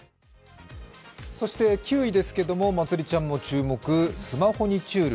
そして９位ですけれども、まつりちゃんも注目、スマホにちゅーる。